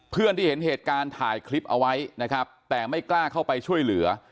เพื่อนที่เห็นเหตุการณ์ถ่ายคลิปเอาไว้นะครับแต่ไม่กล้าเข้าไปช่วยเหลือ